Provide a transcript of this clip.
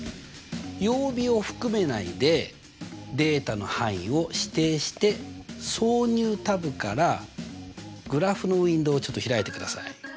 曜日を含めないでデータの範囲を指定して挿入タブからグラフのウィンドウをちょっと開いてください。